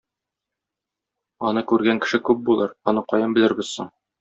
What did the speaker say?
Аны күргән кеше күп булыр, аны каян белербез соң?